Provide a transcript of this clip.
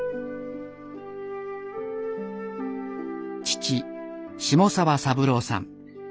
父下澤三郎さん。